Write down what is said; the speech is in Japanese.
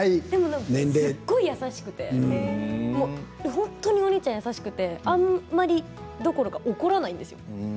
でもすごく優しくて本当にお兄ちゃん優しくてあんまりどころか怒らないんですよ。